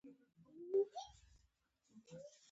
دا معمولاً په عامې قاعدې د بدلېدو وړتیا نلري.